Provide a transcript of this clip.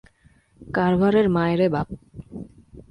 কার্ভারের মায়রে বাপ।